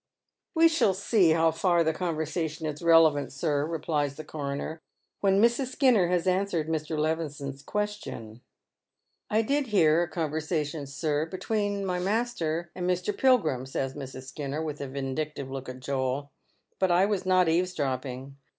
" We shall see how far the conversation is relevant, sir," replies the coroner, " when Mrs. Skinner has answered Mr. Levison'a question." " I did hear a conversation, sir, between my master and Mr. PUgiim," says Mrs. Skinner, with a vindictive look at Joel, " but I was not eavesdropping.